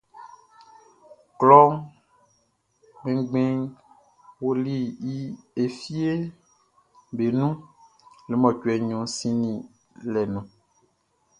Klɔ kpɛnngbɛnʼn ɔli e fieʼm be nun le mɔcuɛ ngʼɔ sinnin lɛʼn nun.